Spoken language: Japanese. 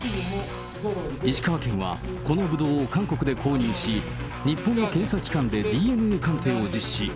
石川県は、このブドウを韓国で購入し、日本の検査機関でＤＮＡ鑑定を実施。